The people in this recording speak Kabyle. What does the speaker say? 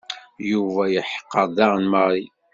Yuba yeḥqer daɣen Mary.